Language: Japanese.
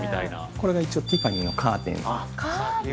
◆これが一応ティファニーのカーテン。